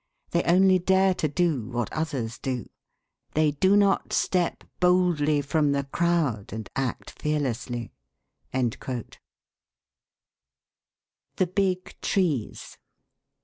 They only dare to do what others do. They do not step boldly from the crowd and act fearlessly." THE BIG TREES.